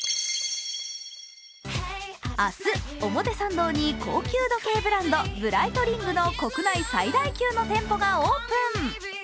明日、表参道に高級時計ブランドブライトリングの国内最大級の店舗がオープン。